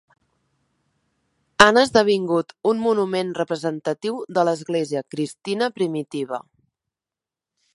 Han esdevingut un monument representatiu de l'església cristina primitiva.